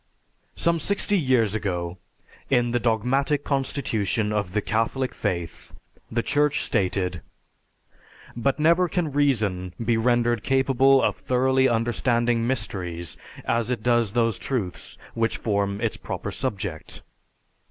Some sixty years ago in the "Dogmatic Constitution of the Catholic Faith," the Church stated, "But never can reason be rendered capable of thoroughly understanding mysteries as it does those truths which form its proper subject.